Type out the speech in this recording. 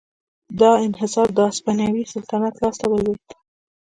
دا انحصار د هسپانوي سلطنت لاس ته ولوېد.